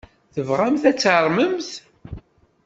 Tebɣamt ad tarmemt?